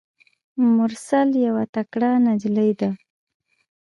مرسل یوه تکړه نجلۍ ده.